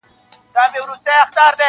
نه به په موړ سې نه به وتړې بارونه-